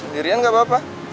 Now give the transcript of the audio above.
sendirian gak apa apa